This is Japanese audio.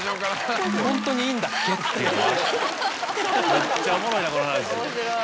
めっちゃおもろいなこの話。